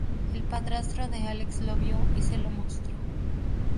El padrastro de Alex lo vio y se lo mostró.